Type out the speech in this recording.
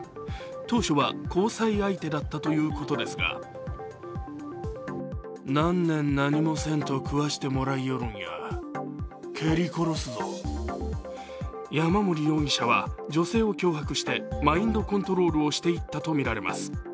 当初は交際相手だったということですが山森容疑者は女性を脅迫してマインドコントロールをしていったとみられます。